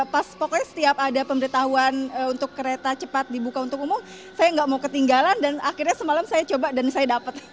pas pokoknya setiap ada pemberitahuan untuk kereta cepat dibuka untuk umum saya nggak mau ketinggalan dan akhirnya semalam saya coba dan saya dapat